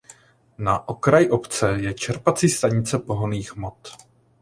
Na okraji obce je čerpací stanice pohonných hmot.